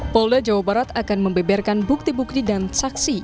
polda jawa barat akan membeberkan bukti bukti dan saksi